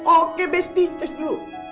oke besti ces dulu